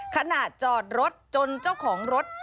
ขณะจอดรถจนเจ้าของรถ